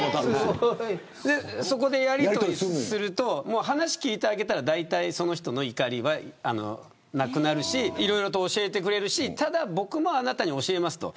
そこでやりとりすると話を聞いてあげたら大体、その人の怒りはなくなるしいろいろと教えてくれるしだけど僕もあなたに教えます。